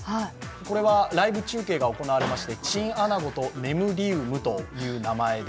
これはライブ中継が行われまして、「チンアナゴとねむリウム」という名前で。